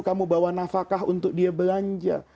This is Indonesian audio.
kamu bawa nafakah untuk dia belanja